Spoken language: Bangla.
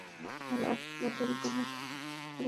তোমরা রাসূলগণের অনুকরণ কর!